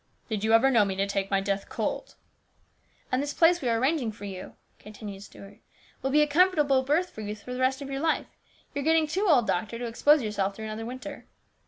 " Did you ever know me to take my death cold ?" "And this place we are arranging for you," continued Stuart, "will be a comfortable berth for you the rest of your life. You're getting too old, doctor, to expose yourself through another winter."